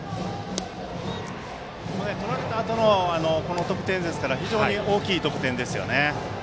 取られたあとの得点ですから非常に大きい得点ですよね。